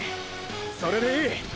それでいい！！